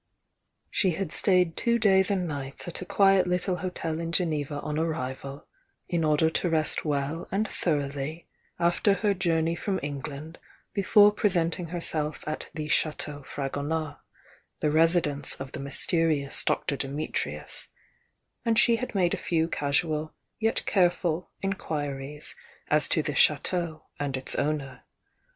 She had stayed two days and nights at a quiet little hotel in Geneva on ar rival, in order to rest well and thoroughly, after her journey from England before presenting herself at the Chateau Fragonard, the residence of the myste rious Dr. Dimitrius ; and she had made a few casual yet careful inquiries as to the Chateau and its owner.